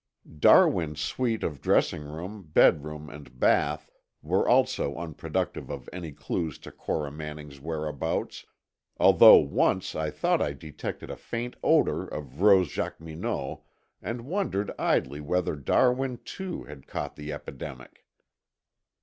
Darwin's suite of dressing room, bedroom, and bath were also unproductive of any clues to Cora Manning's whereabouts, although once I thought I detected a faint odor of rose jacqueminot and wondered idly whether Darwin, too, had caught the epidemic.